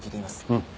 うん。